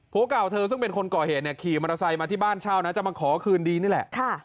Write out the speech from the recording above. ผู้ก่าวเธอซึ่งเป็นคนเกาะเหตุขี่มรสชัยมาที่บ้านเช่าจะมาขอคืนดีนี่แหละ